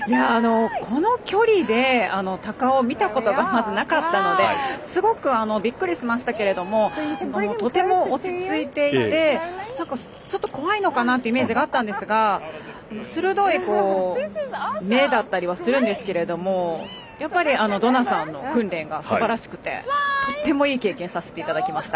この距離でタカを見たことがまずなかったのですごくびっくりしましたけどもとても落ち着いていてちょっと怖いのかなというイメージがあったんですが鋭い目だったりはするんですがドナさんの訓練がすばらしくてとてもいい経験をさせていただきました。